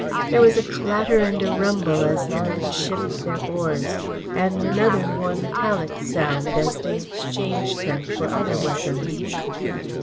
There was a clatter and a rumble as the men shipped their oars, and another more metallic sound as they exchanged them for other weapons.